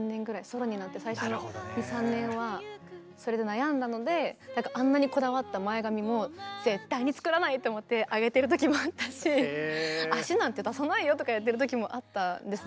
ソロになって最初の２３年はそれで悩んだのであんなにこだわった前髪も絶対に作らないと思って上げてる時もあったし脚なんて出さないよとかやってる時もあったんです